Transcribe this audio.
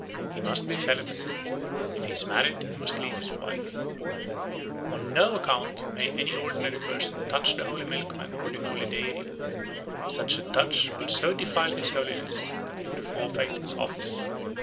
He must be celibate; if he is married he must leave his wife. On no account may any ordinary person touch the holy milkman or the holy dairy; such a touch would so defile his holiness that he would forfeit his office.